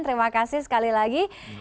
terima kasih sekali lagi